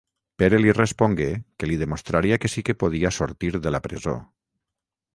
Pere li respongué que li demostraria que sí que podia sortir de la presó.